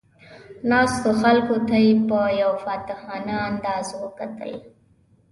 ناستو خلکو ته یې په یو فاتحانه انداز وکتل.